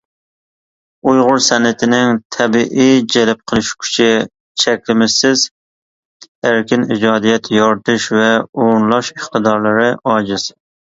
ئۇيغۇر سەنئىتىنىڭ تەبىئىي جەلپ قىلىش كۈچى، چەكلىمىسىز ئەركىن ئىجادىيەت يارىتىش ۋە ئورۇنلاش ئىقتىدارلىرى ئاجىز.